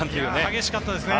激しかったですね。